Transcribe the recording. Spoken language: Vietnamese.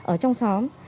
ở trong xóm